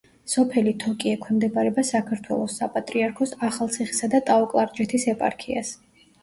სოფელი თოკი ექვემდებარება საქართველოს საპატრიარქოს ახალციხისა და ტაო-კლარჯეთის ეპარქიას.